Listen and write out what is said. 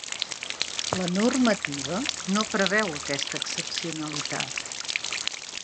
La normativa no preveu aquesta excepcionalitat.